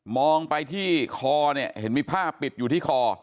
องไปที่คอเนี่ยเห็นมีผ้าปิดอยู่ที่คอ